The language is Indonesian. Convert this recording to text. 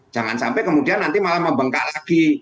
jangan sampai kemudian nanti malah membengkak lagi